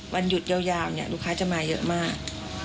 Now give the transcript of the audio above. วันหยุดยาวลูกค้าจะมาเยอะมาก